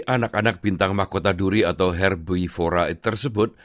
anak anak bintang mahkota duri atau herbivora tersebut